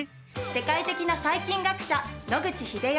世界的な細菌学者野口英世。